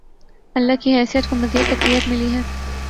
اللہ کی حیثیت کو مزید تقویت ملی ہے۔